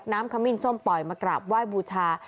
ขมิ้นส้มปล่อยมากราบไหว้บูชา